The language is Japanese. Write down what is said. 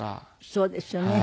そうですよね。